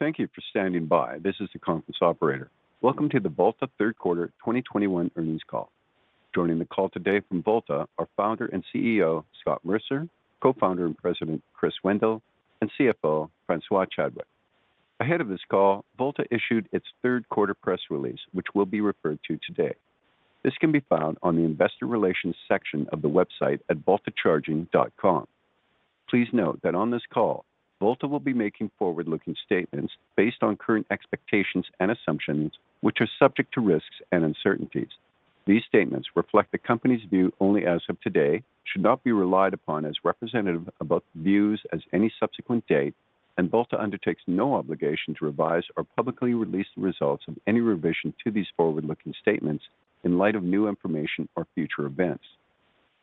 Thank you for standing by. This is the conference operator. Welcome to the Volta third quarter 2021 earnings call. Joining the call today from Volta are Founder and CEO Scott Mercer, Co-Founder and President Chris Wendel, and CFO Francois Chadwick. Ahead of this call, Volta issued its third quarter press release, which will be referred to today. This can be found on the investor relations section of the website at voltacharging.com. Please note that on this call, Volta will be making forward-looking statements based on current expectations and assumptions, which are subject to risks and uncertainties. These statements reflect the company's view only as of today, should not be relied upon as representative of the views as of any subsequent date, and Volta undertakes no obligation to revise or publicly release the results of any revision to these forward-looking statements in light of new information or future events.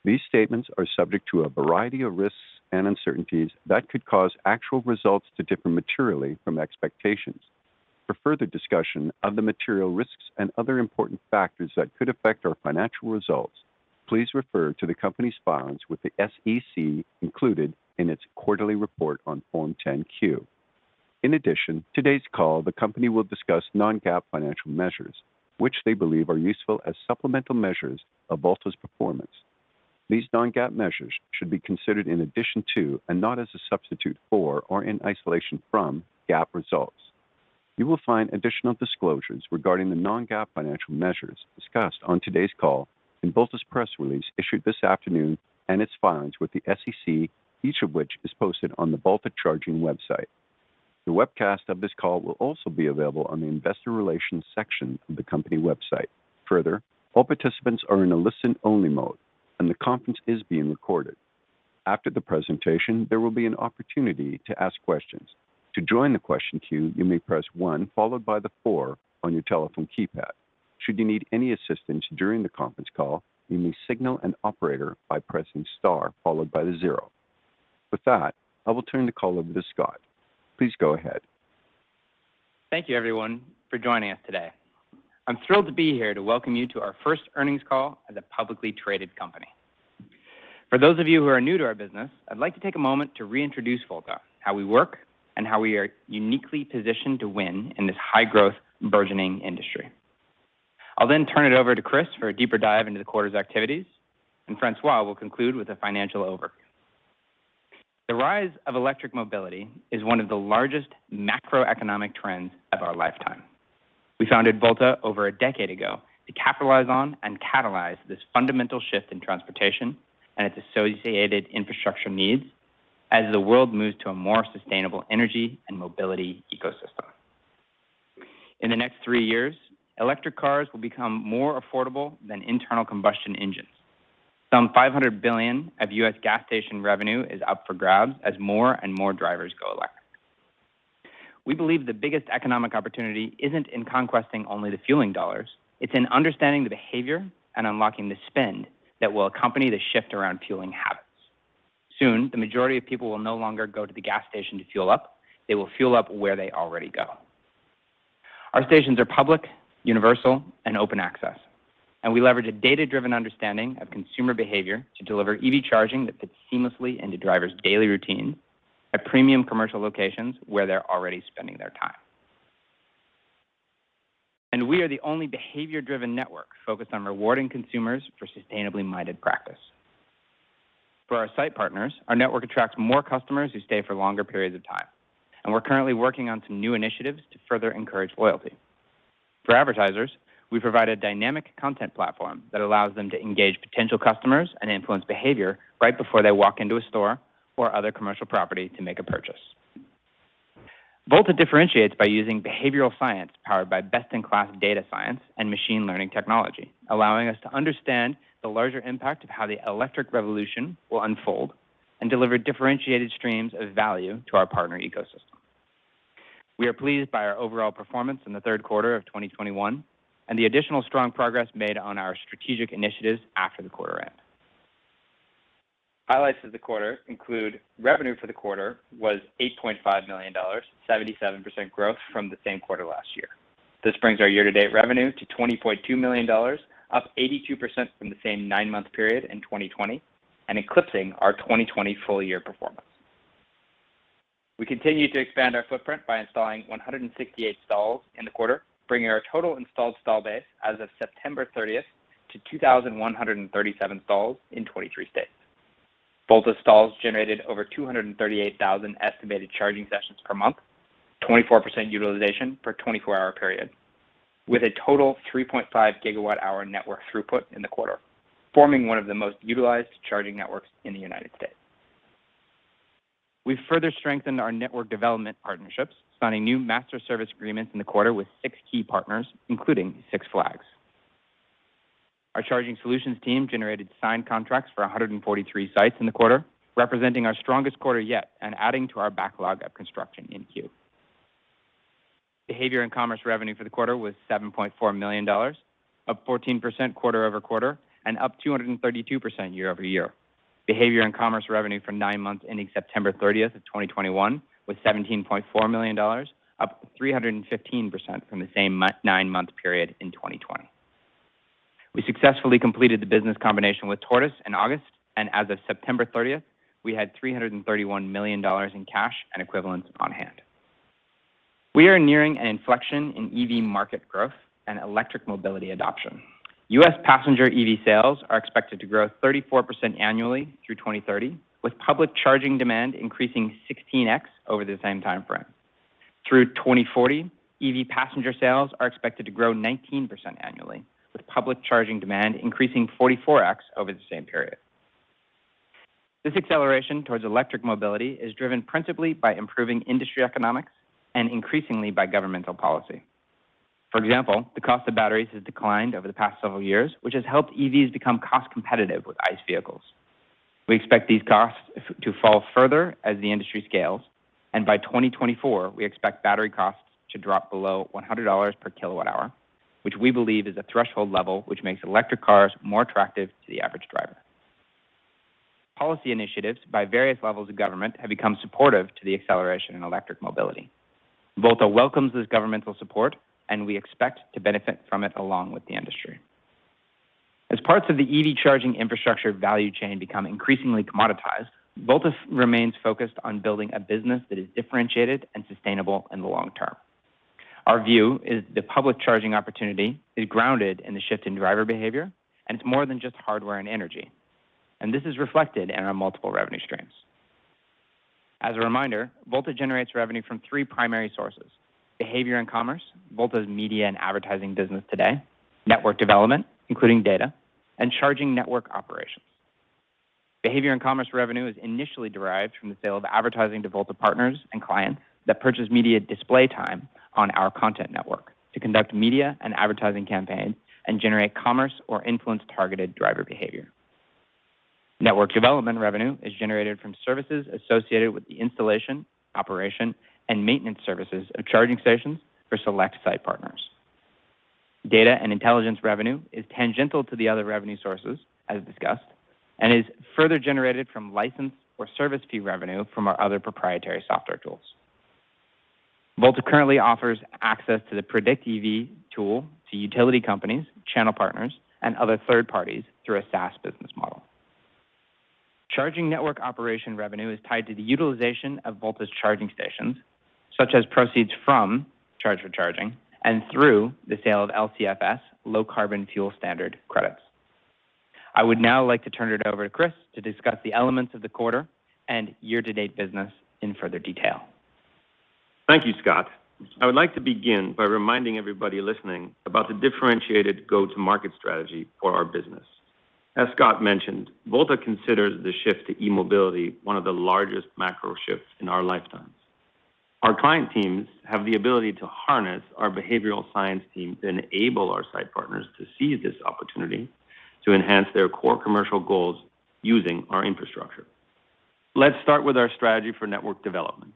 These statements are subject to a variety of risks and uncertainties that could cause actual results to differ materially from expectations. For further discussion of the material risks and other important factors that could affect our financial results, please refer to the company's filings with the SEC included in its quarterly report on Form 10-Q. In addition, on today's call, the company will discuss non-GAAP financial measures which they believe are useful as supplemental measures of Volta's performance. These non-GAAP measures should be considered in addition to, and not as a substitute for or in isolation from, GAAP results. You will find additional disclosures regarding the non-GAAP financial measures discussed on today's call in Volta's press release issued this afternoon and its filings with the SEC, each of which is posted on the Volta Charging website. The webcast of this call will also be available on the investor relations section of the company website. Further, all participants are in a listen-only mode, and the conference is being recorded. After the presentation, there will be an opportunity to ask questions. To join the question queue, you may press one followed by the four on your telephone keypad. Should you need any assistance during the conference call, you may signal an operator by pressing star followed by the zero. With that, I will turn the call over to Scott. Please go ahead. Thank you everyone for joining us today. I'm thrilled to be here to welcome you to our first earnings call as a publicly traded company. For those of you who are new to our business, I'd like to take a moment to reintroduce Volta, how we work, and how we are uniquely positioned to win in this high-growth burgeoning industry. I'll then turn it over to Chris for a deeper dive into the quarter's activities, and Francois will conclude with a financial overview. The rise of electric mobility is one of the largest macroeconomic trends of our lifetime. We founded Volta over a decade ago to capitalize on and catalyze this fundamental shift in transportation and its associated infrastructure needs as the world moves to a more sustainable energy and mobility ecosystem. In the next three years, electric cars will become more affordable than internal combustion engines. Some $500 billion of U.S. gas station revenue is up for grabs as more and more drivers go electric. We believe the biggest economic opportunity isn't in conquesting only the fueling dollars. It's in understanding the behavior and unlocking the spend that will accompany the shift around fueling habits. Soon, the majority of people will no longer go to the gas station to fuel up. They will fuel up where they already go. Our stations are public, universal, and open access, and we leverage a data-driven understanding of consumer behavior to deliver EV charging that fits seamlessly into drivers' daily routine at premium commercial locations where they're already spending their time. We are the only behavior-driven network focused on rewarding consumers for sustainably-minded practice. For our site partners, our network attracts more customers who stay for longer periods of time, and we're currently working on some new initiatives to further encourage loyalty. For advertisers, we provide a dynamic content platform that allows them to engage potential customers and influence behavior right before they walk into a store or other commercial property to make a purchase. Volta differentiates by using behavioral science powered by best-in-class data science and machine learning technology, allowing us to understand the larger impact of how the electric revolution will unfold and deliver differentiated streams of value to our partner ecosystem. We are pleased by our overall performance in the third quarter of 2021 and the additional strong progress made on our strategic initiatives after the quarter end. Highlights of the quarter include revenue for the quarter was $8.5 million, 77% growth from the same quarter last year. This brings our year-to-date revenue to $20.2 million, up 82% from the same nine-month period in 2020 and eclipsing our 2020 full-year performance. We continue to expand our footprint by installing 168 stalls in the quarter, bringing our total installed stall base as of September 30 to 2,137 stalls in 23 states. Volta stalls generated over 238,000 estimated charging sessions per month, 24% utilization per 24-hour period, with a total 3.5 GWh network throughput in the quarter, forming one of the most utilized charging networks in the United States. We further strengthened our network development partnerships, signing new master service agreements in the quarter with six key partners, including Six Flags. Our charging solutions team generated signed contracts for 143 sites in the quarter, representing our strongest quarter yet and adding to our backlog of construction in queue. Media and commerce revenue for the quarter was $7.4 million, up 14% quarter-over-quarter and up 232% year-over-year. Media and commerce revenue for nine months ending September 30th, 2021 was $17.4 million, up 315% from the same nine-month period in 2020. We successfully completed the business combination with Tortoise in August, and as of September 30th, we had $331 million in cash and equivalents on hand. We are nearing an inflection in EV market growth and electric mobility adoption. U.S. passenger EV sales are expected to grow 34% annually through 2030, with public charging demand increasing 16x over the same time frame. Through 2040, EV passenger sales are expected to grow 19% annually, with public charging demand increasing 44x over the same period. This acceleration towards electric mobility is driven principally by improving industry economics and increasingly by governmental policy. For example, the cost of batteries has declined over the past several years, which has helped EVs become cost competitive with ICE vehicles. We expect these costs to fall further as the industry scales, and by 2024, we expect battery costs to drop below $100/kWh, which we believe is a threshold level which makes electric cars more attractive to the average driver. Policy initiatives by various levels of government have become supportive to the acceleration in electric mobility. Volta welcomes this governmental support, and we expect to benefit from it along with the industry. As parts of the EV charging infrastructure value chain become increasingly commoditized, Volta remains focused on building a business that is differentiated and sustainable in the long term. Our view is the public charging opportunity is grounded in the shift in driver behavior, and it's more than just hardware and energy. This is reflected in our multiple revenue streams. As a reminder, Volta generates revenue from three primary sources, behavior and commerce, Volta's media and advertising business today, network development, including data, and charging network operations. Behavior and commerce revenue is initially derived from the sale of advertising to Volta partners and clients that purchase media display time on our content network to conduct media and advertising campaigns and generate commerce or influence targeted driver behavior. Network development revenue is generated from services associated with the installation, operation, and maintenance services of charging stations for select site partners. Data and intelligence revenue is tangential to the other revenue sources, as discussed, and is further generated from license or service fee revenue from our other proprietary software tools. Volta currently offers access to the PredictEV tool to utility companies, channel partners, and other third parties through a SaaS business model. Charging network operation revenue is tied to the utilization of Volta's charging stations, such as proceeds from charge for charging and through the sale of LCFS, Low Carbon Fuel Standard credits. I would now like to turn it over to Chris to discuss the elements of the quarter and year-to-date business in further detail. Thank you, Scott. I would like to begin by reminding everybody listening about the differentiated go-to-market strategy for our business. As Scott mentioned, Volta considers the shift to e-mobility one of the largest macro shifts in our lifetimes. Our client teams have the ability to harness our behavioral science team to enable our site partners to seize this opportunity to enhance their core commercial goals using our infrastructure. Let's start with our strategy for network development.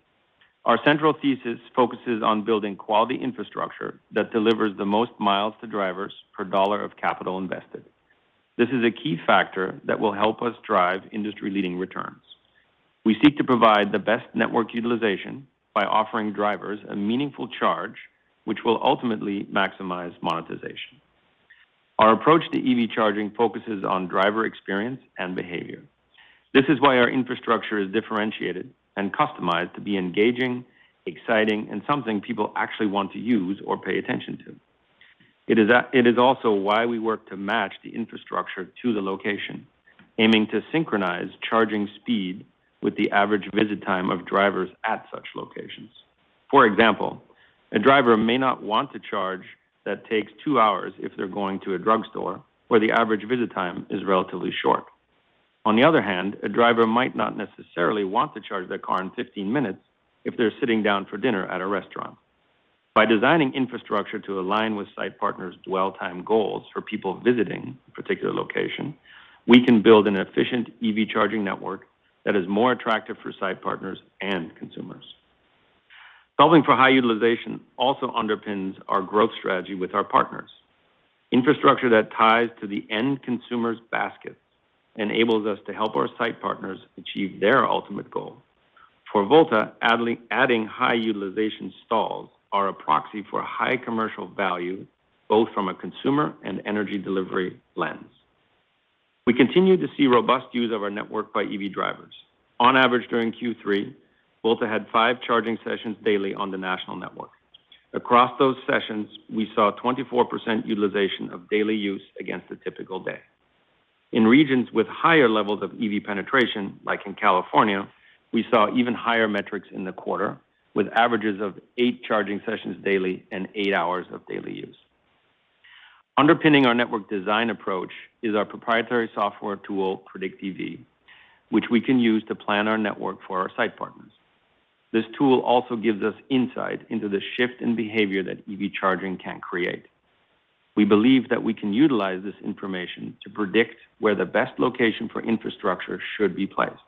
Our central thesis focuses on building quality infrastructure that delivers the most miles to drivers per dollar of capital invested. This is a key factor that will help us drive industry-leading returns. We seek to provide the best network utilization by offering drivers a meaningful charge, which will ultimately maximize monetization. Our approach to EV charging focuses on driver experience and behavior. This is why our infrastructure is differentiated and customized to be engaging, exciting, and something people actually want to use or pay attention to. It is also why we work to match the infrastructure to the location, aiming to synchronize charging speed with the average visit time of drivers at such locations. For example, a driver may not want to charge that takes 2 hr if they're going to a drugstore where the average visit time is relatively short. On the other hand, a driver might not necessarily want to charge their car in 15 min if they're sitting down for dinner at a restaurant. By designing infrastructure to align with site partners' dwell time goals for people visiting a particular location, we can build an efficient EV charging network that is more attractive for site partners and consumers. Solving for high utilization also underpins our growth strategy with our partners. Infrastructure that ties to the end consumer's baskets enables us to help our site partners achieve their ultimate goal. For Volta, adding high utilization stalls are a proxy for high commercial value, both from a consumer and energy delivery lens. We continue to see robust use of our network by EV drivers. On average, during Q3, Volta had five charging sessions daily on the national network. Across those sessions, we saw 24% utilization of daily use against a typical day. In regions with higher levels of EV penetration, like in California, we saw even higher metrics in the quarter, with averages of eight charging sessions daily and 8 hr of daily use. Underpinning our network design approach is our proprietary software tool, PredictEV, which we can use to plan our network for our site partners. This tool also gives us insight into the shift in behavior that EV charging can create. We believe that we can utilize this information to predict where the best location for infrastructure should be placed.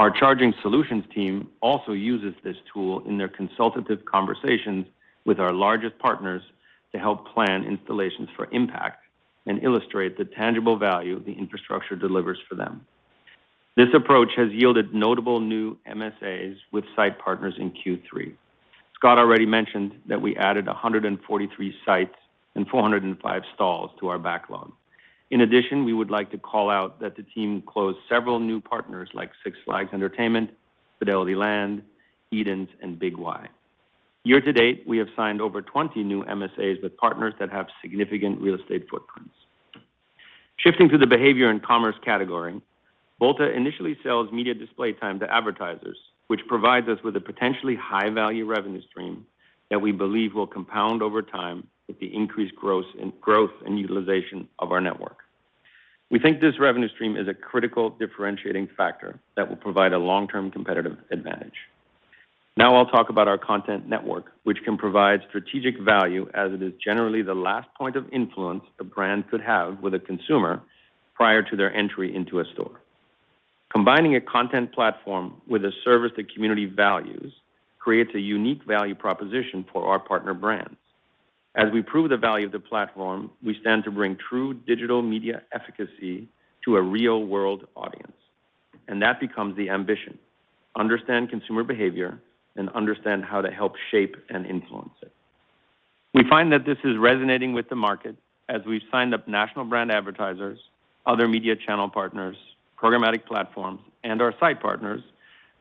Our charging solutions team also uses this tool in their consultative conversations with our largest partners to help plan installations for impact and illustrate the tangible value the infrastructure delivers for them. This approach has yielded notable new MSAs with site partners in Q3. Scott already mentioned that we added 143 sites and 405 stalls to our backlog. In addition, we would like to call out that the team closed several new partners like Six Flags Entertainment, Federal Realty, EDENS, and Big Y. Year-to-date, we have signed over 20 new MSAs with partners that have significant real estate footprints. Shifting to the behavior and commerce category, Volta initially sells media display time to advertisers, which provides us with a potentially high-value revenue stream that we believe will compound over time with the increased gross and growth and utilization of our network. We think this revenue stream is a critical differentiating factor that will provide a long-term competitive advantage. Now I'll talk about our content network, which can provide strategic value as it is generally the last point of influence a brand could have with a consumer prior to their entry into a store. Combining a content platform with a service the community values creates a unique value proposition for our partner brands. As we prove the value of the platform, we stand to bring true digital media efficacy to a real-world audience. That becomes the ambition: understand consumer behavior and understand how to help shape and influence it. We find that this is resonating with the market as we've signed up national brand advertisers, other media channel partners, programmatic platforms, and our site partners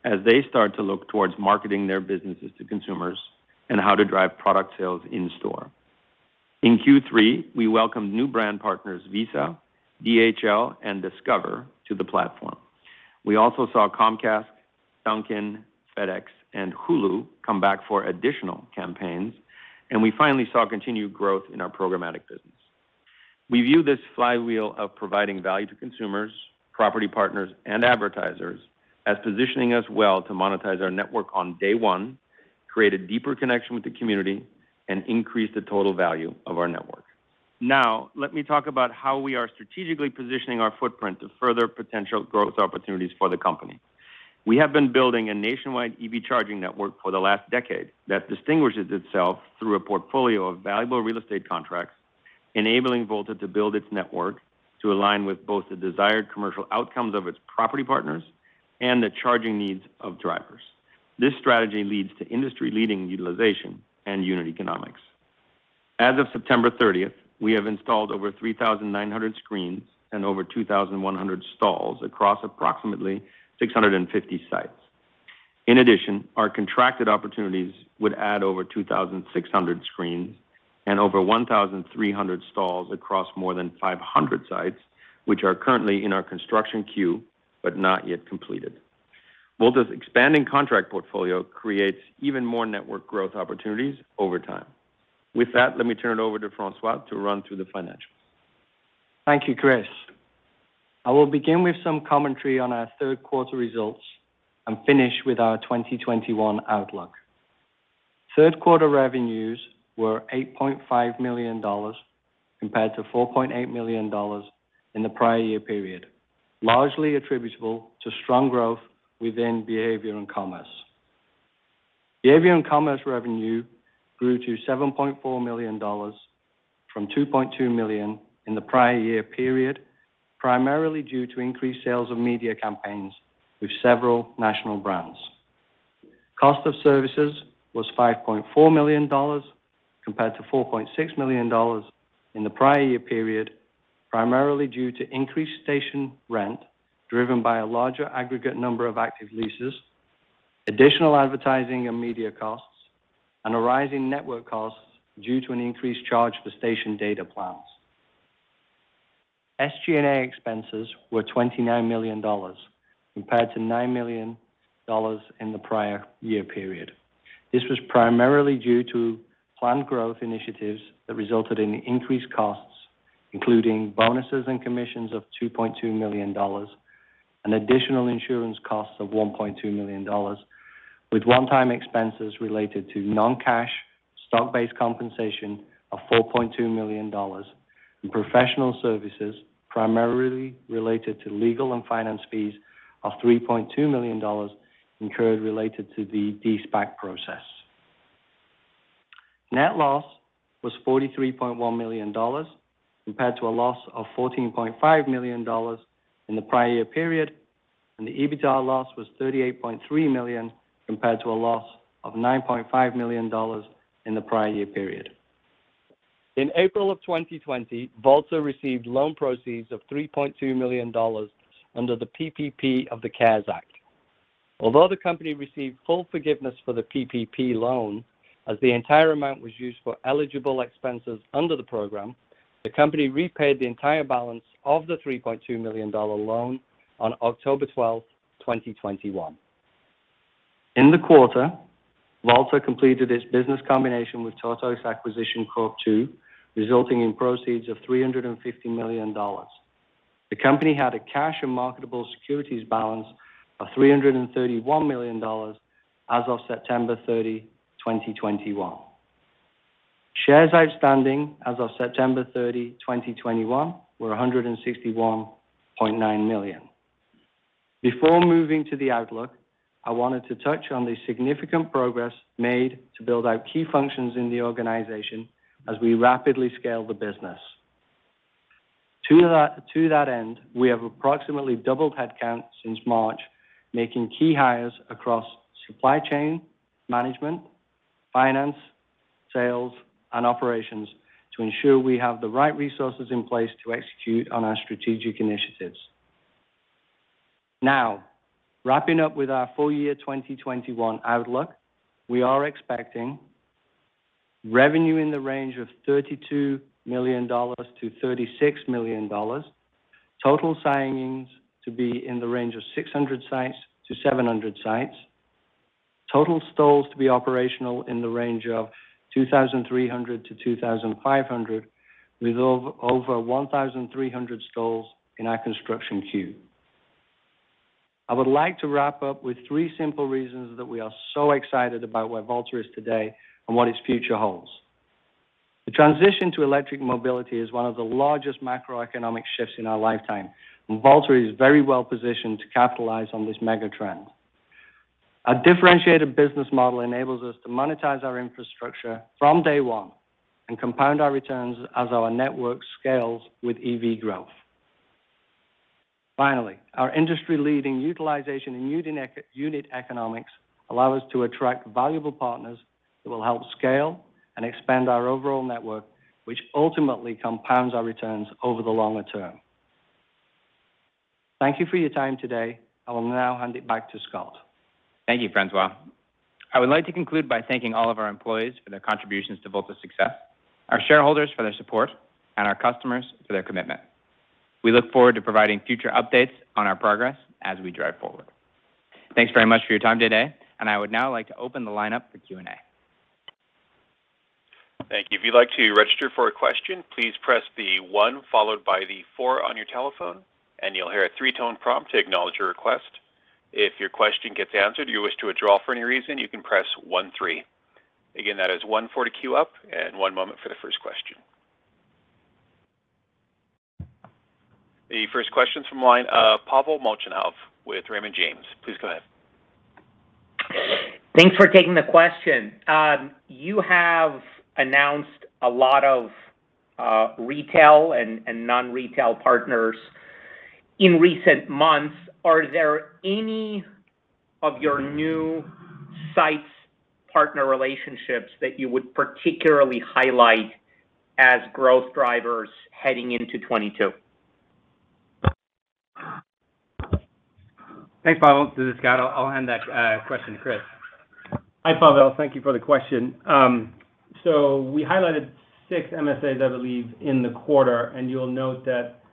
as they start to look towards marketing their businesses to consumers and how to drive product sales in store. In Q3, we welcomed new brand partners Visa, DHL, and Discover to the platform. We also saw Comcast, Dunkin', FedEx, and Hulu come back for additional campaigns, and we finally saw continued growth in our programmatic business. We view this flywheel of providing value to consumers, property partners, and advertisers as positioning us well to monetize our network on day one, create a deeper connection with the community, and increase the total value of our network. Now, let me talk about how we are strategically positioning our footprint to further potential growth opportunities for the company. We have been building a nationwide EV charging network for the last decade that distinguishes itself through a portfolio of valuable real estate contracts, enabling Volta to build its network to align with both the desired commercial outcomes of its property partners and the charging needs of drivers. This strategy leads to industry-leading utilization and unit economics. As of September 30th, we have installed over 3,900 screens and over 2,100 stalls across approximately 650 sites. In addition, our contracted opportunities would add over 2,600 screens and over 1,300 stalls across more than 500 sites, which are currently in our construction queue but not yet completed. Volta's expanding contract portfolio creates even more network growth opportunities over time. With that, let me turn it over to Francois to run through the financials. Thank you, Chris. I will begin with some commentary on our third quarter results and finish with our 2021 outlook. Third quarter revenues were $8.5 million compared to $4.8 million in the prior year period, largely attributable to strong growth within media and commerce. Media and commerce revenue grew to $7.4 million from $2.2 million in the prior year period, primarily due to increased sales of media campaigns with several national brands. Cost of services was $5.4 million compared to $4.6 million in the prior year period, primarily due to increased station rent driven by a larger aggregate number of active leases, additional advertising and media costs, and a rise in network costs due to an increased charge for station data plans. SG&A expenses were $29 million compared to $9 million in the prior year period. This was primarily due to planned growth initiatives that resulted in increased costs, including bonuses and commissions of $2.2 million and additional insurance costs of $1.2 million, with one-time expenses related to non-cash stock-based compensation of $4.2 million and professional services primarily related to legal and finance fees of $3.2 million incurred related to the de-SPAC process. Net loss was $43.1 million compared to a loss of $14.5 million in the prior year period, and the EBITDA loss was $38.3 million compared to a loss of $9.5 million in the prior year period. In April 2020, Volta received loan proceeds of $3.2 million under the PPP of the CARES Act. Although the company received full forgiveness for the PPP loan as the entire amount was used for eligible expenses under the program, the company repaid the entire balance of the $3.2 million loan on October 12, 2021. In the quarter, Volta completed its business combination with Tortoise Acquisition Corp. II, resulting in proceeds of $350 million. The company had a cash and marketable securities balance of $331 million as of September 30, 2021. Shares outstanding as of September 30, 2021, were 161.9 million. Before moving to the outlook, I wanted to touch on the significant progress made to build out key functions in the organization as we rapidly scale the business. To that end, we have approximately doubled headcount since March, making key hires across supply chain management, finance, sales, and operations to ensure we have the right resources in place to execute on our strategic initiatives. Now, wrapping up with our full-year 2021 outlook, we are expecting revenue in the range of $32 million-$36 million. Total signings to be in the range of 600-700 sites. Total stalls to be operational in the range of 2,300-2,500, with over 1,300 stalls in our construction queue. I would like to wrap up with three simple reasons that we are so excited about where Volta is today and what its future holds. The transition to electric mobility is one of the largest macroeconomic shifts in our lifetime, and Volta is very well-positioned to capitalize on this mega-trend. Our differentiated business model enables us to monetize our infrastructure from day one and compound our returns as our network scales with EV growth. Finally, our industry-leading utilization and unit economics allow us to attract valuable partners that will help scale and expand our overall network, which ultimately compounds our returns over the longer term. Thank you for your time today. I will now hand it back to Scott. Thank you, Francois. I would like to conclude by thanking all of our employees for their contributions to Volta's success, our shareholders for their support, and our customers for their commitment. We look forward to providing future updates on our progress as we drive forward. Thanks very much for your time today, and I would now like to open the lineup for Q&A. Thank you. If you'd like to register for a question, please press one followed by four on your telephone, and you'll hear a three tone prompt to acknowledge your request. If your question gets answered or you wish to withdraw for any reason, you can press one three. Again, that is one four to queue up, and one moment for the first question. The first question is from the line of Pavel Molchanov with Raymond James. Please go ahead. Thanks for taking the question. You have announced a lot of retail and non-retail partners in recent months. Are there any of your new sites partner relationships that you would particularly highlight as growth drivers heading into 2022? Thanks, Pavel. This is Scott. I'll hand that question to Chris. Hi, Pavel. Thank you for the question. We highlighted six MSAs, I believe, in the quarter, and you'll note that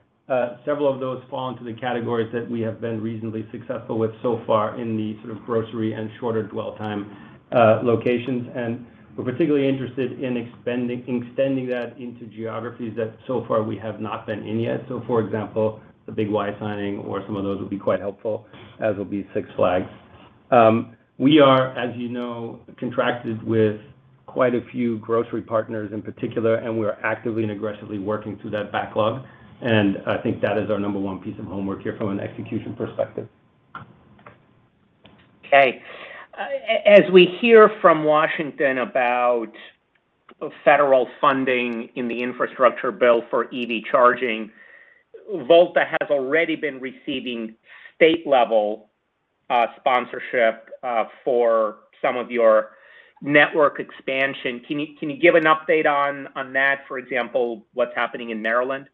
several of those fall into the categories that we have been reasonably successful with so far in the sort of grocery and shorter dwell time locations. We're particularly interested in extending that into geographies that so far we have not been in yet. For example, the Big Y signing or some of those will be quite helpful, as will be Six Flags. We are, as you know, contracted with quite a few grocery partners in particular, and we are actively and aggressively working through that backlog. I think that is our number one piece of homework here from an execution perspective. Okay. As we hear from Washington about federal funding in the infrastructure bill for EV charging, Volta has already been receiving state-level sponsorship for some of your network expansion. Can you give an update on that, for example, what's happening in Maryland?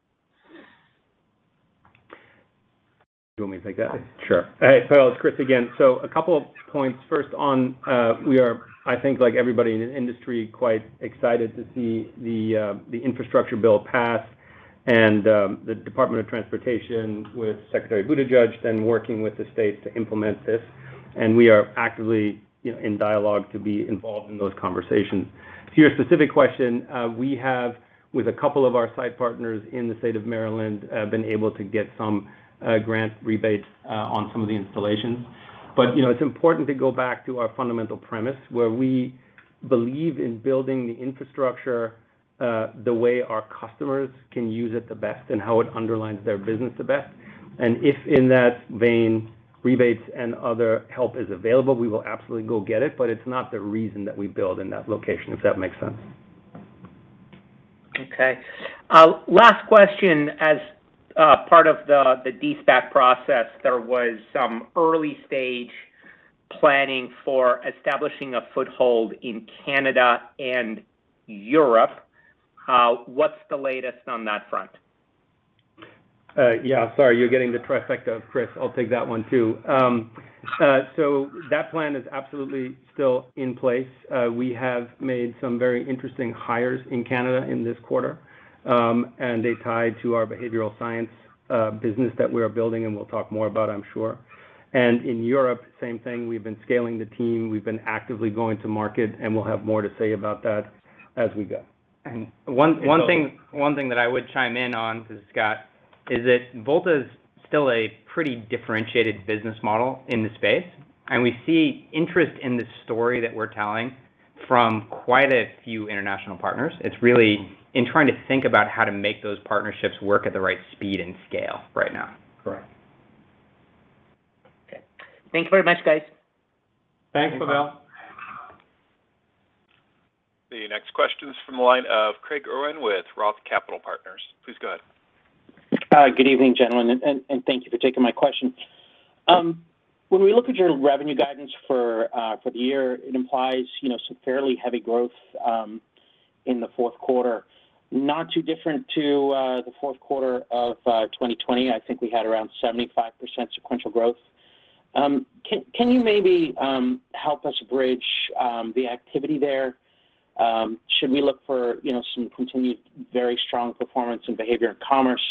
Do you want me to take that? Sure. Hey, Pavel, it's Chris again. A couple of points. First on, we are, I think like everybody in the industry, quite excited to see the infrastructure bill pass and the Department of Transportation with Secretary Buttigieg then working with the states to implement this, and we are actively, you know, in dialogue to be involved in those conversations. To your specific question, we have, with a couple of our site partners in the State of Maryland, been able to get some grant rebates on some of the installations. You know, it's important to go back to our fundamental premise, where we believe in building the infrastructure the way our customers can use it the best and how it underlines their business the best. If in that vein rebates and other help is available, we will absolutely go get it, but it's not the reason that we build in that location, if that makes sense. Okay. Last question. As part of the de-SPAC process, there was some early-stage planning for establishing a foothold in Canada and Europe. What's the latest on that front? Yeah. Sorry, you're getting the trifecta of Chris. I'll take that one, too. That plan is absolutely still in place. We have made some very interesting hires in Canada in this quarter, and they tie to our behavioral science business that we are building and we'll talk more about, I'm sure. In Europe, same thing. We've been scaling the team. We've been actively going to market, and we'll have more to say about that as we go. One thing that I would chime in on, this is Scott, is that Volta is still a pretty differentiated business model in the space, and we see interest in the story that we're telling from quite a few international partners. It's really in trying to think about how to make those partnerships work at the right speed and scale right now. Correct. Thank you very much, guys. Thanks, Pavel. The next question is from the line of Craig Irwin with Roth Capital Partners. Please go ahead. Good evening, gentlemen, and thank you for taking my question. When we look at your revenue guidance for the year, it implies, you know, some fairly heavy growth in the fourth quarter. Not too different to the fourth quarter of 2020. I think we had around 75% sequential growth. Can you maybe help us bridge the activity there? Should we look for, you know, some continued very strong performance in behavior and commerce?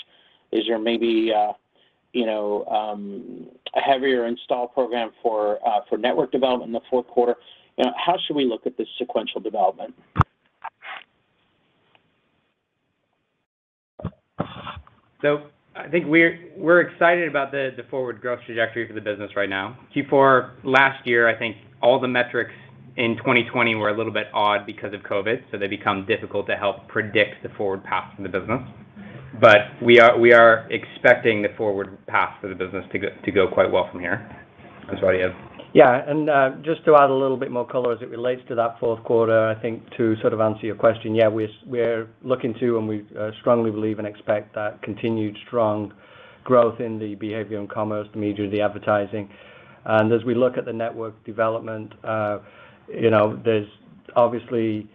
Is there maybe a heavier install program for network development in the fourth quarter? You know, how should we look at this sequential development? I think we're excited about the forward growth trajectory for the business right now. Q4 last year, I think all the metrics in 2020 were a little bit odd because of COVID, so they become difficult to help predict the forward path for the business. We are expecting the forward path for the business to go quite well from here. Francois, you have. Just to add a little bit more color as it relates to that fourth quarter, I think to sort of answer your question, we're looking to, and we strongly believe and expect that continued strong growth in the behavior and commerce, the media and the advertising. As we look at the network development, you know, there's obviously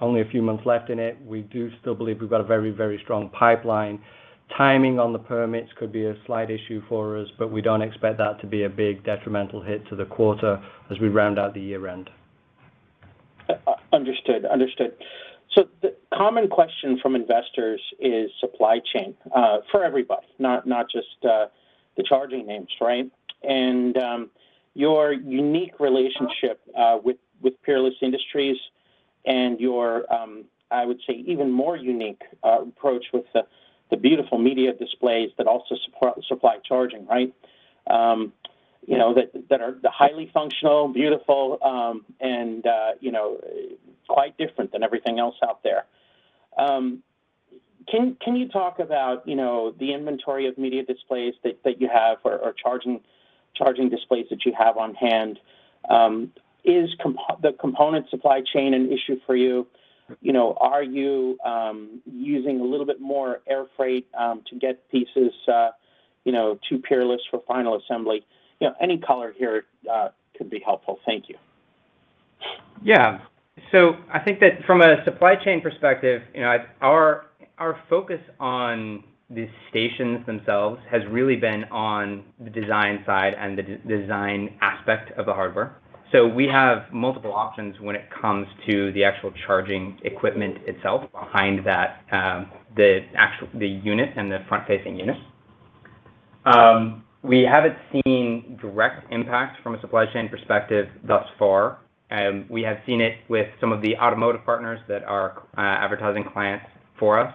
only a few months left in it. We do still believe we've got a very, very strong pipeline. Timing on the permits could be a slight issue for us, but we don't expect that to be a big detrimental hit to the quarter as we round out the year-end. Understood. The common question from investors is supply chain for everybody, not just the charging names, right? Your unique relationship with Peerless Industries and your, I would say, even more unique approach with the beautiful media displays that also supply charging, right? You know, that are the highly functional, beautiful, and, you know, quite different than everything else out there. Can you talk about, you know, the inventory of media displays that you have or charging displays that you have on hand? Is the component supply chain an issue for you? You know, are you using a little bit more air freight to get pieces, you know, to Peerless for final assembly? You know, any color here could be helpful. Thank you. Yeah. I think that from a supply chain perspective, you know, our focus on the stations themselves has really been on the design side and the de-design aspect of the hardware. We have multiple options when it comes to the actual charging equipment itself behind that, the unit and the front-facing units. We haven't seen direct impact from a supply chain perspective thus far. We have seen it with some of the automotive partners that are advertising clients for us.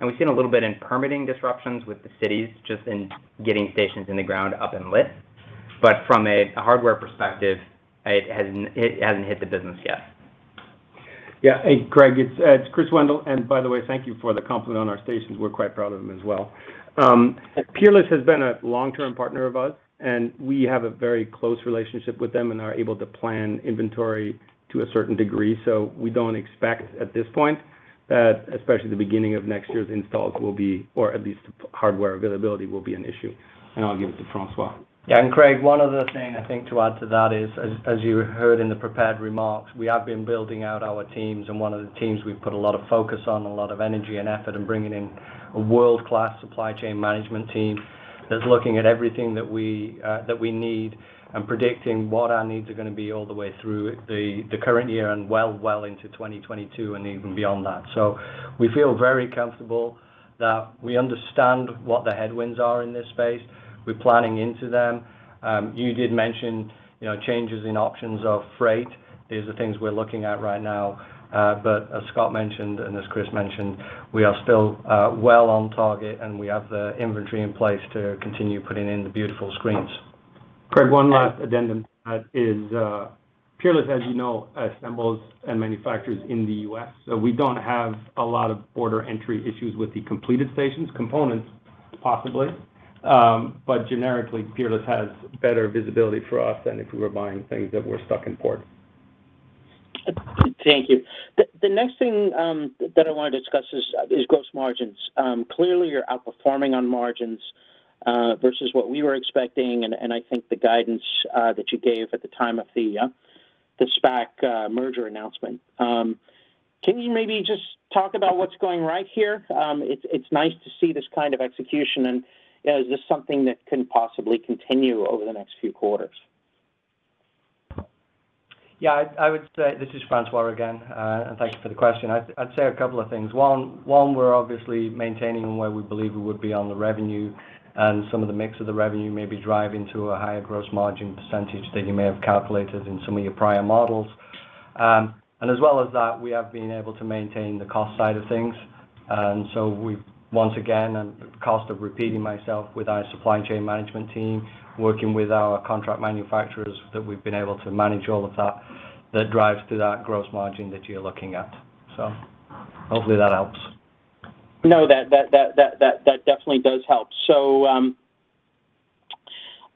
We've seen a little bit in permitting disruptions with the cities just in getting stations in the ground up and lit. From a hardware perspective, it hasn't hit the business yet. Hey, Craig, it's Chris Wendel. By the way, thank you for the compliment on our stations. We're quite proud of them as well. Peerless has been a long-term partner of us, and we have a very close relationship with them and are able to plan inventory to a certain degree. We don't expect at this point that, especially the beginning of next year's installs will be, or at least hardware availability will be an issue. I'll give it to Francois. Yeah. Craig, one other thing I think to add to that is, as you heard in the prepared remarks, we have been building out our teams, and one of the teams we've put a lot of focus on and a lot of energy and effort in bringing in a world-class supply chain management team that's looking at everything that we need and predicting what our needs are gonna be all the way through the current year and well into 2022 and even beyond that. We feel very comfortable that we understand what the headwinds are in this space. We're planning into them. You did mention, you know, changes in ocean freight are the things we're looking at right now. As Scott mentioned, and as Chris mentioned, we are still well on target, and we have the inventory in place to continue putting in the beautiful screens. Craig, one last addendum is Peerless, as you know, assembles and manufactures in the U.S. We don't have a lot of border entry issues with the completed stations. Components, possibly. Generically, Peerless has better visibility for us than if we were buying things that were stuck in port. Thank you. The next thing that I wanna discuss is gross margins. Clearly you're outperforming on margins versus what we were expecting and I think the guidance that you gave at the time of the SPAC merger announcement. Can you maybe just talk about what's going right here? It's nice to see this kind of execution and, you know, is this something that can possibly continue over the next few quarters? I would say this is Francois again, and thank you for the question. I'd say a couple of things. One, we're obviously maintaining where we believe we would be on the revenue and some of the mix of the revenue may be driving to a higher gross margin percentage than you may have calculated in some of your prior models. As well as that, we have been able to maintain the cost side of things. We've once again, and at the cost of repeating myself with our supply chain management team, working with our contract manufacturers, that we've been able to manage all of that drives to that gross margin that you're looking at. Hopefully that helps. No, that definitely does help.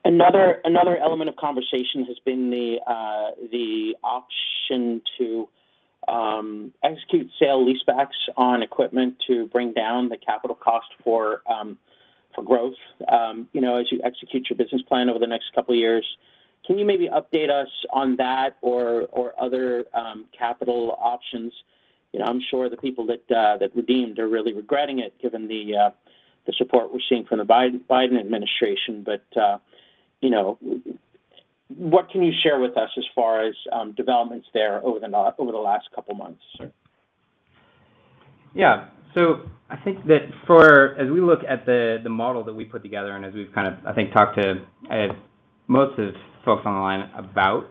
Another element of conversations has been the option to execute sale leasebacks on equipment to bring down the capital cost for growth, you know, as you execute your business plan over the next couple years. Can you maybe update us on that or other capital options? You know, I'm sure the people that redeemed are really regretting it given the support we're seeing from the Biden administration. You know, what can you share with us as far as developments there over the last couple months? Yeah. I think as we look at the model that we put together and as we've kind of, I think, talked to most of the folks on the line about,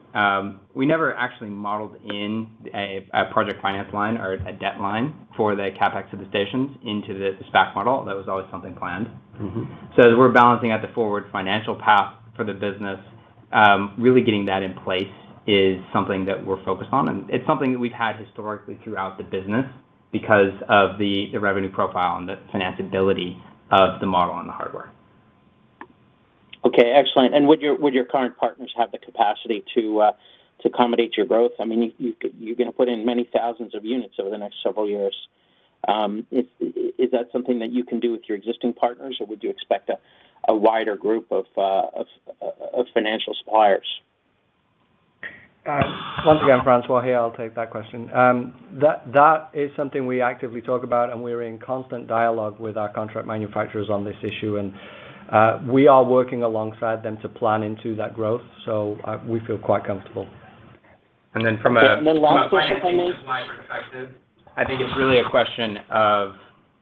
we never actually modeled in a project finance line or a debt line for the CapEx of the stations into the SPAC model. That was always something planned. Mm-hmm. As we're balancing out the forward financial path for the business, really getting that in place is something that we're focused on, and it's something that we've had historically throughout the business because of the revenue profile and the financeability of the model and the hardware. Okay, excellent. Would your current partners have the capacity to accommodate your growth? I mean, you're gonna put in many thousands of units over the next several years. Is that something that you can do with your existing partners, or would you expect a wider group of financial suppliers? Once again, Francois here. I'll take that question. That is something we actively talk about, and we're in constant dialogue with our contract manufacturers on this issue. We are working alongside them to plan into that growth, so we feel quite comfortable. And then from Just one last question, if I may.... from a financing just from my perspective, I think it's really a question of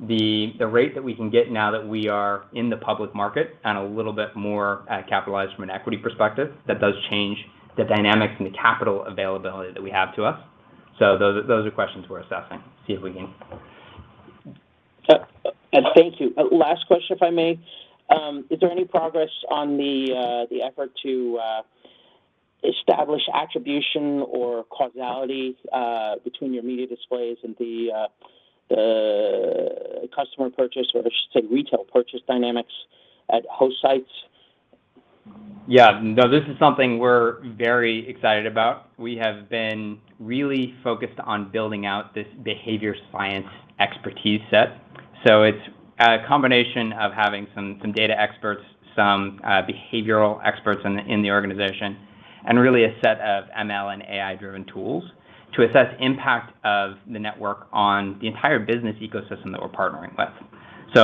the rate that we can get now that we are in the public market and a little bit more capitalized from an equity perspective. That does change the dynamics and the capital availability that we have to us. Those are questions we're assessing to see if we can. Last question, if I may. Is there any progress on the effort to establish attribution or causality between your media displays and the customer purchase or I should say retail purchase dynamics at host sites? Yeah. No, this is something we're very excited about. We have been really focused on building out this behavioral science expertise set. It's a combination of having some data experts, some behavioral experts in the organization, and really a set of ML and AI-driven tools to assess impact of the network on the entire business ecosystem that we're partnering with.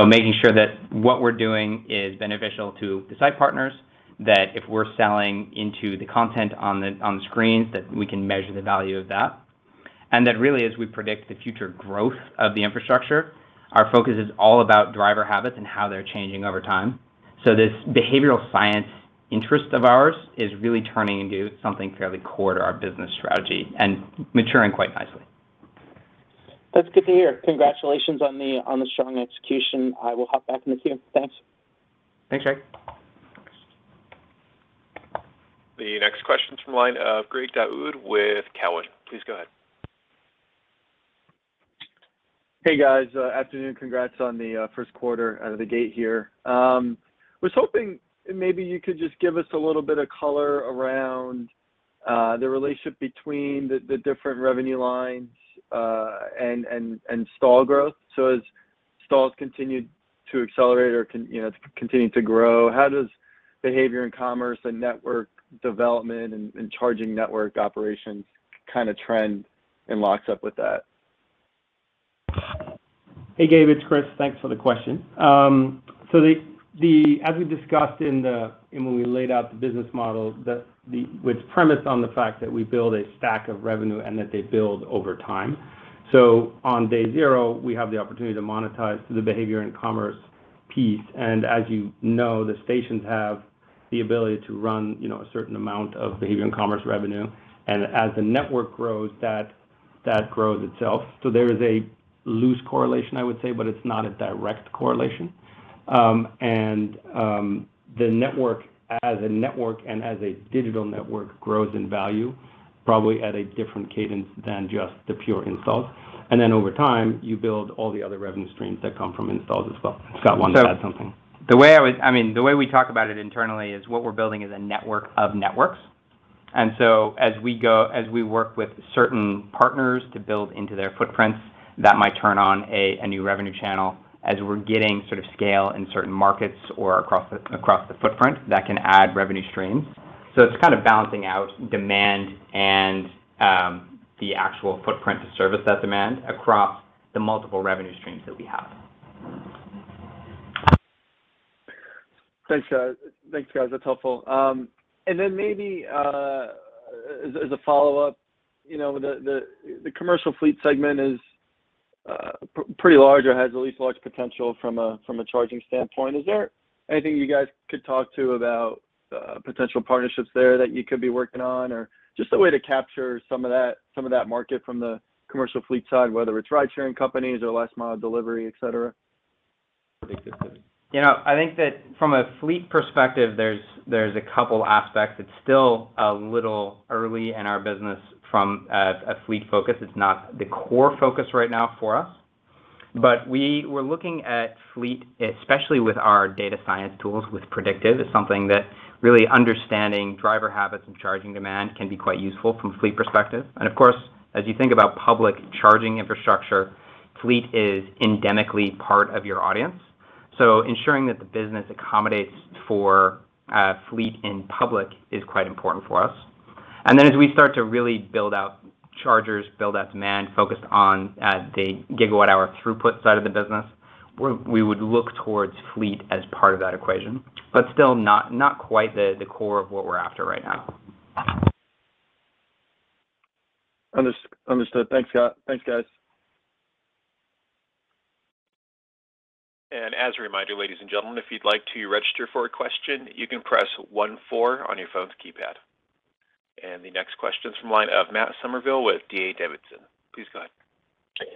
Making sure that what we're doing is beneficial to the site partners, that if we're selling into the content on the screens, that we can measure the value of that. That really as we predict the future growth of the infrastructure, our focus is all about driver habits and how they're changing over time. This behavioral science interest of ours is really turning into something fairly core to our business strategy and maturing quite nicely. That's good to hear. Congratulations on the strong execution. I will hop back in the queue. Thanks. Thanks, Craig. The next question's from the line of Gabe Daoud with Cowen. Please go ahead. Hey, guys. Afternoon. Congrats on the first quarter out of the gate here. Was hoping maybe you could just give us a little bit of color around the relationship between the different revenue lines and stall growth. As stalls continue to accelerate or, you know, continue to grow, how does behavior and commerce and network development and charging network operations kind of trend and lines up with that? Hey, Gabe, it's Chris. Thanks for the question. As we discussed and when we laid out the business model, which premised on the fact that we build a stack of revenue and that they build over time. On day zero, we have the opportunity to monetize the behavior and commerce piece. As you know, the stations have the ability to run, you know, a certain amount of behavior and commerce revenue. As the network grows, that grows itself. There is a loose correlation, I would say, but it's not a direct correlation. The network as a network and as a digital network grows in value probably at a different cadence than just the pure installs. Over time, you build all the other revenue streams that come from installs as well. Scott wanted to add something. The way we talk about it internally is what we're building is a network of networks. We work with certain partners to build into their footprints, that might turn on a new revenue channel as we're getting sort of scale in certain markets or across the footprint that can add revenue streams. It's kind of balancing out demand and the actual footprint to service that demand across the multiple revenue streams that we have. Thanks, guys. That's helpful. Then maybe as a follow-up, you know, the commercial fleet segment is pretty large or has at least large potential from a charging standpoint. Is there anything you guys could talk about potential partnerships there that you could be working on or just a way to capture some of that market from the commercial fleet side, whether it's ridesharing companies or last mile delivery, et cetera? You know, I think that from a fleet perspective, there's a couple aspects. It's still a little early in our business from a fleet focus. It's not the core focus right now for us. We're looking at fleet, especially with our data science tools with PredictEV. It's something that really understanding driver habits and charging demand can be quite useful from fleet perspective. Of course, as you think about public charging infrastructure, fleet is endemically part of your audience. Ensuring that the business accommodates for fleet in public is quite important for us. As we start to really build out chargers, build out demand focused on the gigawatt hour throughput side of the business, we would look towards fleet as part of that equation. Still not quite the core of what we're after right now. Understood. Thanks, Scott. Thanks, guys. As a reminder, ladies and gentlemen, if you'd like to register for a question, you can press one four on your phone's keypad. The next question is from the line of Matt Summerville with D.A. Davidson. Please go ahead.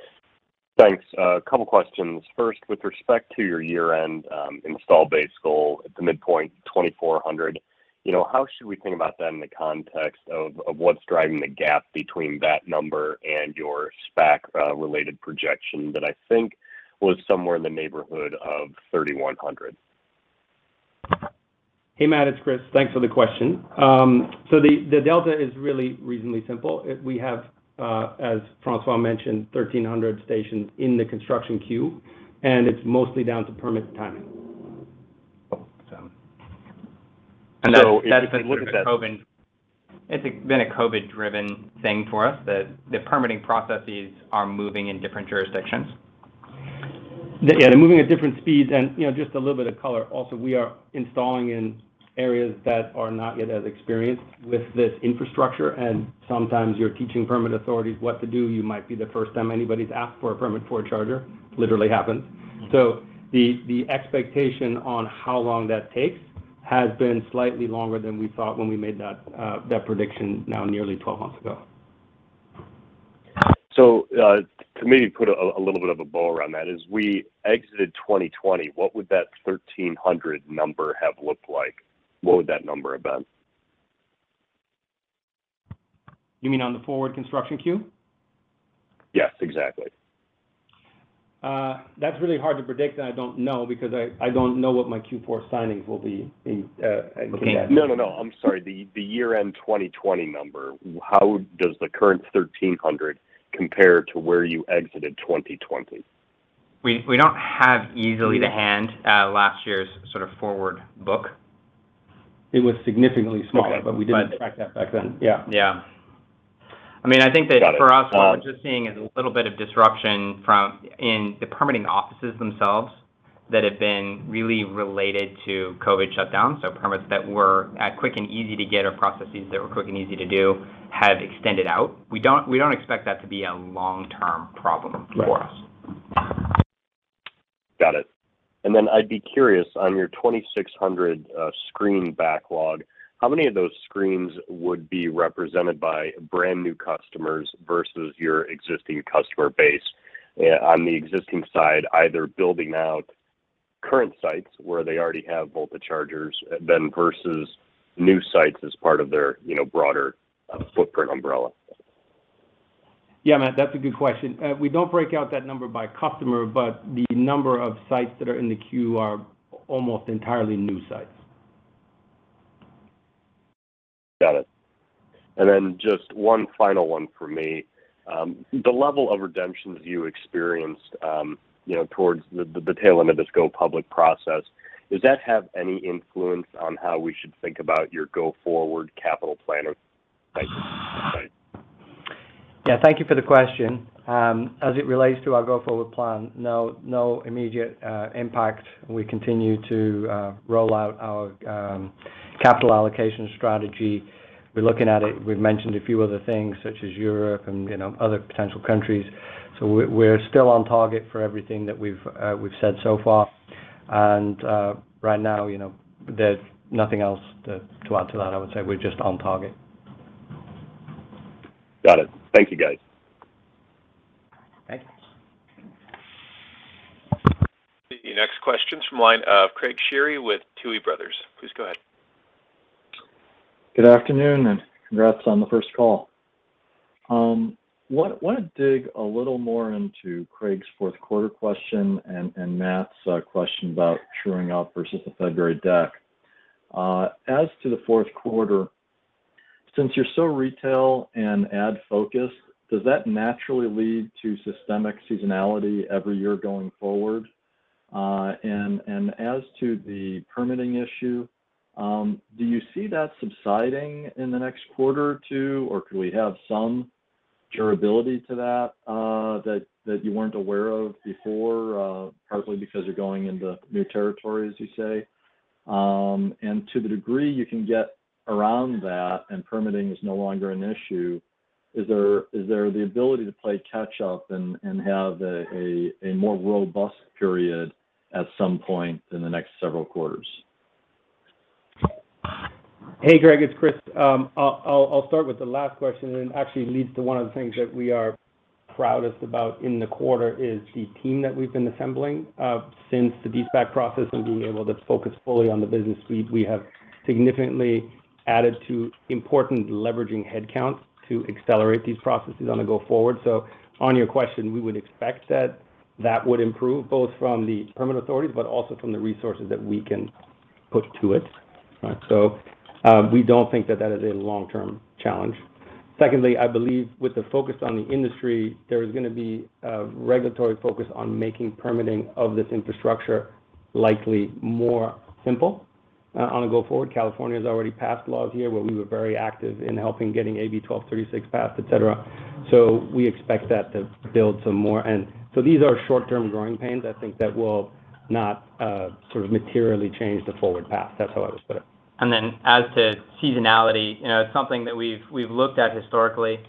Thanks. A couple questions. First, with respect to your year-end install base goal at the midpoint, 2,400, you know, how should we think about that in the context of what's driving the gap between that number and your SPAC related projection that I think was somewhere in the neighborhood of 3,100? Hey, Matt, it's Chris. Thanks for the question. The delta is really reasonably simple. We have, as Francois mentioned, 1,300 stations in the construction queue, and it's mostly down to permit timing. It's been a COVID-driven thing for us, the permitting processes are moving in different jurisdictions. Yeah, they're moving at different speeds and, you know, just a little bit of color. Also, we are installing in areas that are not yet as experienced with this infrastructure, and sometimes you're teaching permit authorities what to do. You might be the first time anybody's asked for a permit for a charger, literally happens. The expectation on how long that takes has been slightly longer than we thought when we made that prediction now nearly 12 months ago. To maybe put a little bit of a bow around that, as we exited 2020, what would that 1,300 number have looked like? What would that number have been? You mean on the forward construction queue? Yes, exactly. That's really hard to predict, and I don't know because I don't know what my Q4 signings will be in Connecticut. No, no, I'm sorry. The year-end 2020 number, how does the current 1,300 compare to where you exited 2020? We don't have easily to hand last year's sort of forward book. It was significantly smaller. Okay. we didn't track that back then. Yeah. Yeah. I mean, I think that for us. Got it. What we're just seeing is a little bit of disruption from in the permitting offices themselves that have been really related to COVID shutdowns. Permits that were quick and easy to get or processes that were quick and easy to do have extended out. We don't expect that to be a long-term problem for us. Got it. I'd be curious, on your 2,600 screen backlog, how many of those screens would be represented by brand-new customers versus your existing customer base? On the existing side, either building out current sites where they already have Volta chargers then versus new sites as part of their, you know, broader footprint umbrella. Yeah, Matt, that's a good question. We don't break out that number by customer, but the number of sites that are in the queue are almost entirely new sites. Got it. Just one final one for me. The level of redemption that you experienced, you know, towards the tail end of this go public process, does that have any influence on how we should think about your go-forward capital plan or? Yeah, thank you for the question. As it relates to our go-forward plan, no immediate impact. We continue to roll out our capital allocation strategy. We're looking at it. We've mentioned a few other things such as Europe and, you know, other potential countries. We're still on target for everything that we've said so far. Right now, you know, there's nothing else to add to that. I would say we're just on target. Got it. Thank you, guys. Thanks. The next question is from the line of Craig Shere with Tuohy Brothers Investment Research. Please go ahead. Good afternoon, and congrats on the first call. I wanna dig a little more into Craig's fourth quarter question and Matt's question about truing up versus the February deck. As to the fourth quarter, since you're so retail and ad-focused, does that naturally lead to systemic seasonality every year going forward? As to the permitting issue, do you see that subsiding in the next quarter or two, or could we have some durability to that you weren't aware of before, partly because you're going into new territory, as you say? To the degree you can get around that and permitting is no longer an issue, is there the ability to play catch up and have a more robust period at some point in the next several quarters? Hey Gabe, it's Chris. I'll start with the last question and actually leads to one of the things that we are proudest about in the quarter is the team that we've been assembling. Since the de-SPAC process and being able to focus fully on the business suite, we have significantly added to important leveraging head counts to accelerate these processes on a go forward. On your question, we would expect that would improve both from the permit authorities, but also from the resources that we can put to it, right? We don't think that is a long-term challenge. Secondly, I believe with the focus on the industry, there is gonna be a regulatory focus on making permitting of this infrastructure likely more simple, on a go forward. California's already passed laws here where we were very active in helping getting AB 1236 passed, et cetera. We expect that to build some more. These are short-term growing pains, I think that will not sort of materially change the forward path. That's how I would put it. Then as to seasonality, you know, it's something that we've looked at historically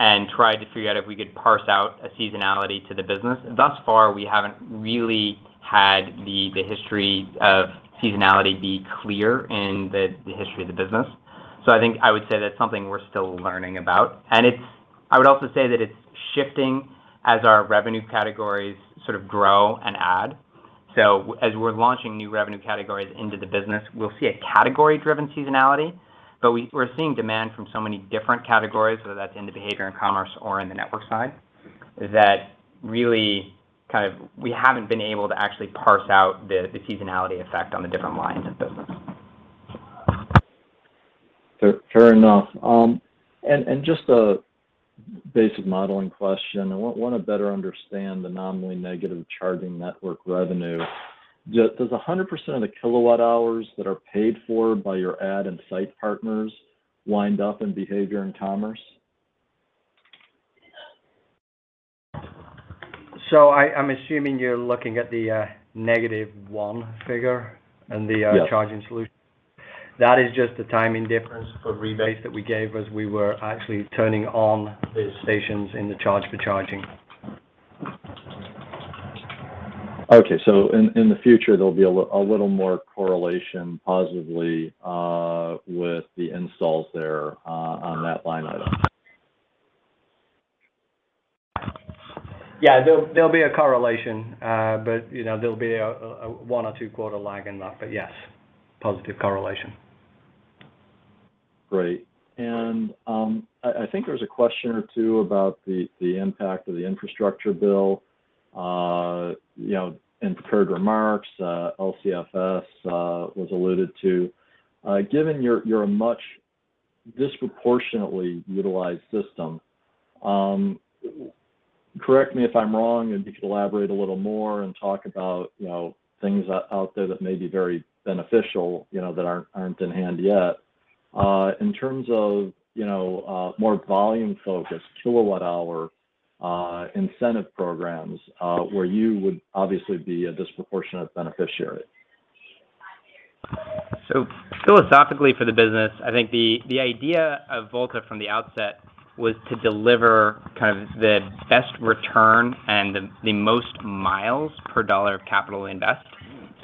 and tried to figure out if we could parse out a seasonality to the business. Thus far, we haven't really had the history of seasonality be clear in the history of the business. I think I would say that's something we're still learning about. I would also say that it's shifting as our revenue categories sort of grow and add. As we're launching new revenue categories into the business, we'll see a category-driven seasonality, but we're seeing demand from so many different categories, whether that's in the behavior and commerce or in the network side, that really kind of, we haven't been able to actually parse out the seasonality effect on the different lines of business. Fair enough. Just a basic modeling question. I want to better understand the nominally negative charging network revenue. Does 100% of the kilowatt-hours that are paid for by your ad and site partners wind up in behavior and commerce? I'm assuming you're looking at the -1 figure. Yes In the charging solution. That is just the timing difference for rebates that we gave as we were actually turning on the stations in the charge for charging. Okay. In the future, there'll be a little more correlation positively with the installs there on that line item. Yeah, there'll be a correlation. You know, there'll be a one or two quarter lag in that. Yes, positive correlation. Great. I think there was a question or two about the impact of the infrastructure bill. You know, in prepared remarks, LCFS was alluded to. Given your much disproportionately utilized system, correct me if I'm wrong, and you could elaborate a little more and talk about, you know, things out there that may be very beneficial, you know, that aren't in hand yet. In terms of, you know, more volume focused kilowatt hour incentive programs, where you would obviously be a disproportionate beneficiary. Philosophically for the business, I think the idea of Volta from the outset was to deliver kind of the best return and the most miles per dollar of capital investment.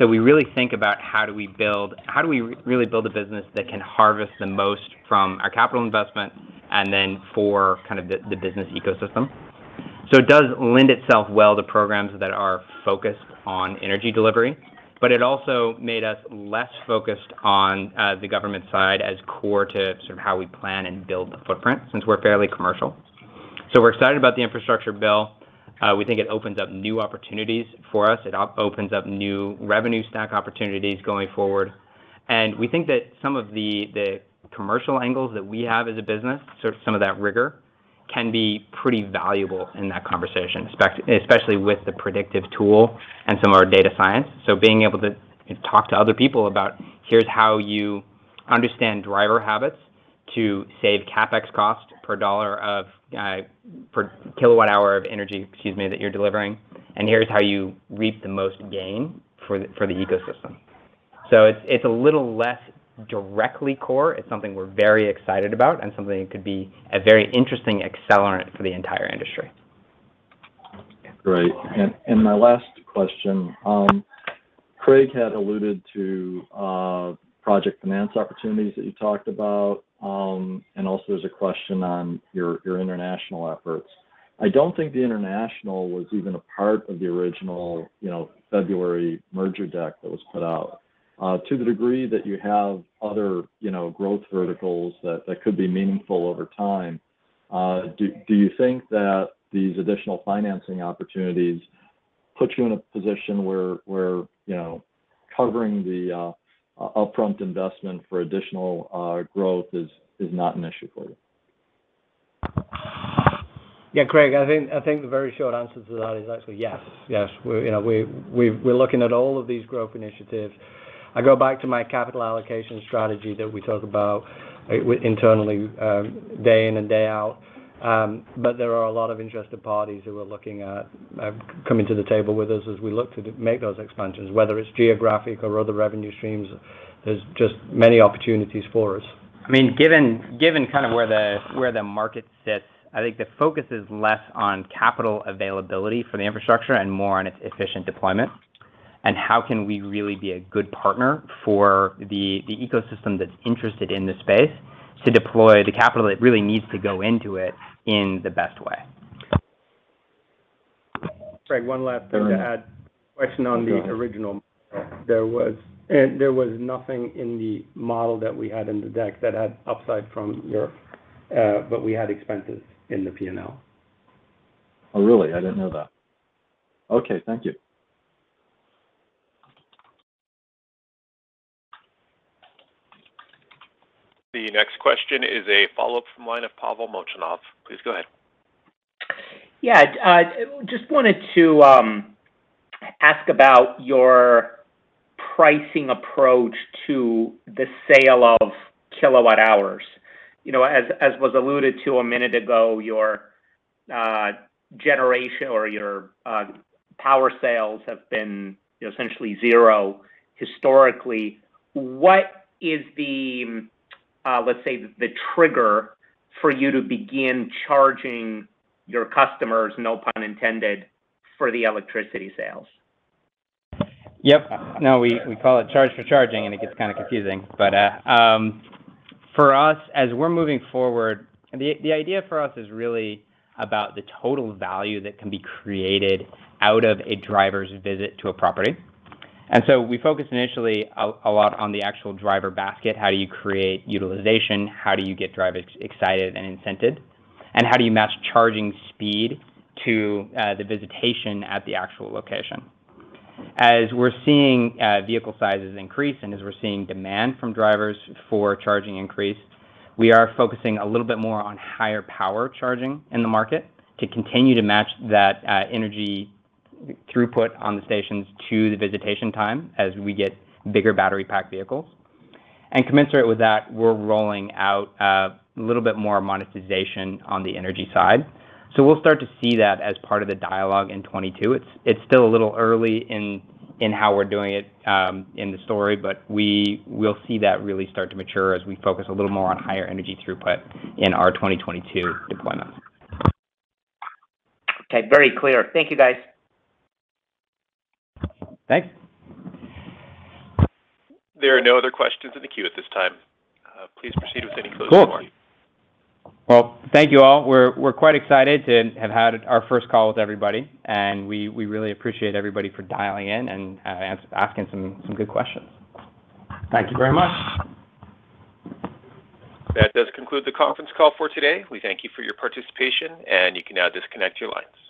We really think about how do we really build a business that can harvest the most from our capital investment and then for kind of the business ecosystem. It does lend itself well to programs that are focused on energy delivery, but it also made us less focused on the government side as core to sort of how we plan and build the footprint since we're fairly commercial. We're excited about the infrastructure bill. We think it opens up new opportunities for us. It opens up new revenue stack opportunities going forward. We think that some of the commercial angles that we have as a business, sort of some of that rigor can be pretty valuable in that conversation, especially with the predictive tool and some of our data science. Being able to talk to other people about here's how you understand driver habits to save CapEx cost per dollar of per kilowatt-hour of energy, excuse me, that you're delivering, and here's how you reap the most gain for the ecosystem. It's a little less directly core. It's something we're very excited about and something that could be a very interesting accelerant for the entire industry. Great. My last question, Craig had alluded to project finance opportunities that you talked about. Also there's a question on your international efforts. I don't think the international was even a part of the original, you know, February merger deck that was put out. To the degree that you have other, you know, growth verticals that could be meaningful over time, do you think that these additional financing opportunities put you in a position where, you know, covering the upfront investment for additional growth is not an issue for you? Yeah. Craig, I think the very short answer to that is actually yes. Yes. We're, you know, we're looking at all of these growth initiatives. I go back to my capital allocation strategy that we talk about internally day in and day out. There are a lot of interested parties who are looking at coming to the table with us as we look to make those expansions, whether it's geographic or other revenue streams. There's just many opportunities for us. I mean, given kind of where the market sits, I think the focus is less on capital availability for the infrastructure and more on its efficient deployment. How can we really be a good partner for the ecosystem that's interested in this space to deploy the capital that really needs to go into it in the best way. Craig, one last thing to add. Sure. Question on the original model. There was nothing in the model that we had in the deck that had upside from your what we had expenses in the P&L. Oh, really? I didn't know that. Okay. Thank you. The next question is a follow-up from the line of Pavel Molchanov. Please go ahead. Yeah. I just wanted to ask about your pricing approach to the sale of kilowatt hours. You know, as was alluded to a minute ago, your generation or your power sales have been essentially zero historically. What is the, let's say, the trigger for you to begin charging your customers, no pun intended, for the electricity sales? Yep. No, we call it charge for charging, and it gets kind of confusing. For us, as we're moving forward, the idea for us is really about the total value that can be created out of a driver's visit to a property. We focus initially a lot on the actual driver basket, how do you create utilization, how do you get drivers excited and incentivized, and how do you match charging speed to the visitation at the actual location. As we're seeing vehicle sizes increase and as we're seeing demand from drivers for charging increase, we are focusing a little bit more on higher power charging in the market to continue to match that energy throughput on the stations to the visitation time as we get bigger battery pack vehicles. Commensurate with that, we're rolling out a little bit more monetization on the energy side. We'll start to see that as part of the dialogue in 2022. It's still a little early in how we're doing it in the story, but we will see that really start to mature as we focus a little more on higher energy throughput in our 2022 deployment. Okay. Very clear. Thank you, guys. Thanks. There are no other questions in the queue at this time. Please proceed with any closing remarks. Cool. Well, thank you all. We're quite excited to have had our first call with everybody, and we really appreciate everybody for dialing in and asking some good questions. Thank you very much. That does conclude the conference call for today. We thank you for your participation, and you can now disconnect your lines.